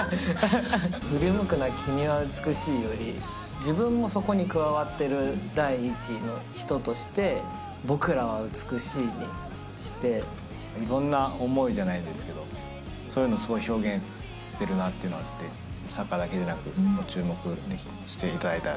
ふり向くな君は美しいより、自分もそこに加わってる第一の人として、いろんな思いじゃないですけど、そういうのをすごい表現してるのっていうのはあって、サッカーだけじゃなく注目していただけたら。